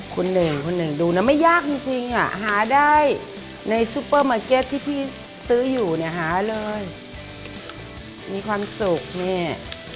คุณหนึ่งคุณหนึ่งดูนะไม่ยากจริงอ่ะหาได้ในซูเปอร์มาร์เก็ตที่พี่ซื้ออยู่เนี่ยหาเลยมีความสุขนี่